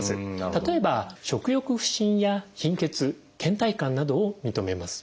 例えば食欲不振や貧血けん怠感などを認めます。